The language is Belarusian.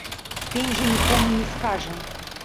Пень жа нікому не скажа.